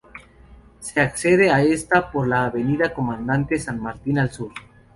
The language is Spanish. Se accede a esta por la avenida Comandante San Martín al sur.